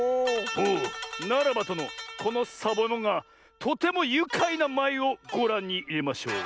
おおならばとのこのサボえもんがとてもゆかいなまいをごらんにいれましょう。